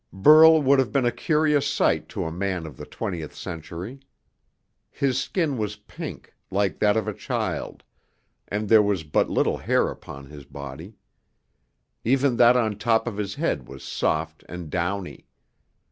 Burl would have been a curious sight to a man of the twentieth century. His skin was pink, like that of a child, and there was but little hair upon his body. Even that on top of his head was soft and downy.